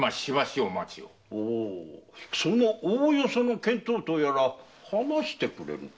そのおおよその見当とやら話してくれぬか？